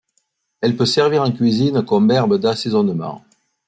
Elle peut servir en cuisine comme herbe d'assaisonement.